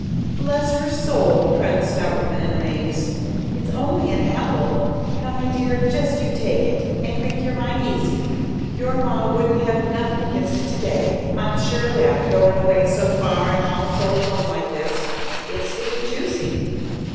"Bless her soul!" cried the stout woman in amaze. "It's only an apple! Now, my dear, just you take it, and make your mind easy. Your ma wouldn't have nothin' against it to day, I'm sure o' that goin' away so far and all so alone like this. It's sweet and juicy."